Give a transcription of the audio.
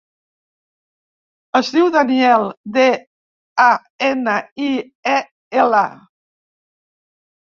Es diu Daniel: de, a, ena, i, e, ela.